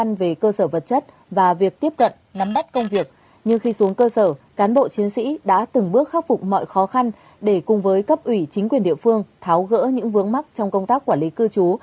nhưng khi xuống cơ sở cán bộ chiến sĩ đã từng bước khắc phục mọi khó khăn để cùng với cấp ủy chính quyền địa phương tháo gỡ những vướng mắt trong công tác quản lý cư trú